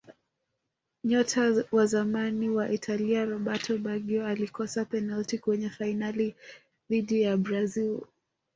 nyota wa zamani wa Italia roberto baggio alikosa penati kwenye fainali dhidi ya brazil